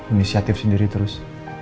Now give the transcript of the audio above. inisiatif sendiri terus